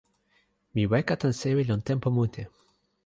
mi weka tan sewi lon tenpo mute.